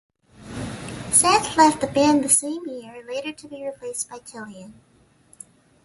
Seth Left the band the same year, later to be replaced by Tilion.